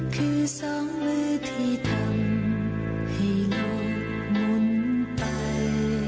คือสองมือที่ทำให้งูหมุนไป